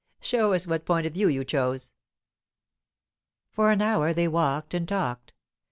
Show us what point of view you chose." For an hour they walked and talked.